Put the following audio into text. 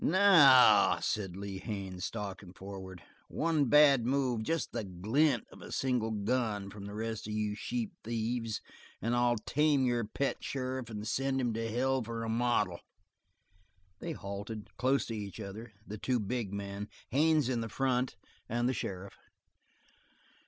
"Now," said Lee Haines, stalking forward. "One bad move, just the glint of a single gun from the rest of you sheep thieves, and I'll tame your pet sheriff and send him to hell for a model." They halted, close to each other, the two big men, Haines in the front, and the sheriff.